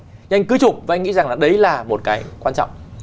nhưng anh cứ chụp và anh nghĩ rằng là đấy là một cái quan trọng